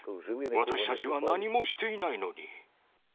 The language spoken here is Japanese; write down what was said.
私たちは何もしていないのに。